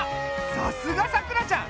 さすがさくらちゃん！